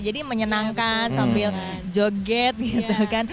jadi menyenangkan sambil joget gitu kan